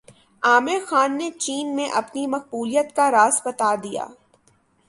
عامر خان نے چین میں اپنی مقبولیت کا راز بتادیا